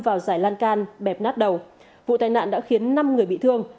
sau đây là tổng hợp tại các địa phương